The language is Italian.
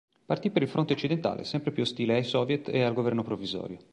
Partì per il fronte occidentale, sempre più ostile ai soviet e al governo provvisorio.